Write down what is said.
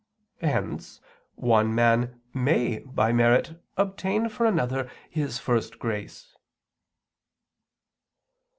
Hence one man may by merit obtain for another his first grace.